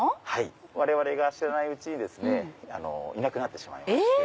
我々が知らないうちにいなくなってしまいまして。